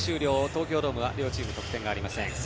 東京ドームは両チーム得点がありません。